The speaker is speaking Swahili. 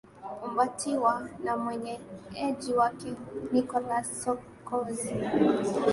umbatiwa na mwenyeji wake nicolas sarkozy